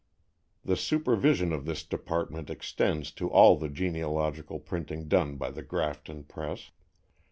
The supervision of this department extends to all the genealogical printing done by The Grafton Press.